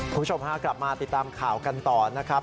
คุณผู้ชมพากลับมาติดตามข่าวกันต่อนะครับ